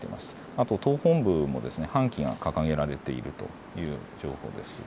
あと党本部も半旗が掲げられているという情報です。